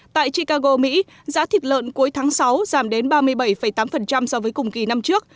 tại chicago mỹ giá thịt lợn cuối tháng sáu giảm đến ba mươi bảy tám so với cùng kỳ năm trước